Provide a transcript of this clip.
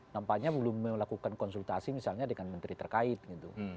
nampaknya belum melakukan konsultasi misalnya dengan menteri terkait gitu